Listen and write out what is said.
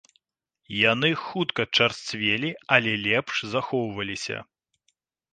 Яны хутка чарсцвелі, але лепш захоўваліся.